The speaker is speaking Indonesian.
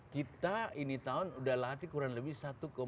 kita ini tahun sudah latih kurang lebih satu tujuh juta orang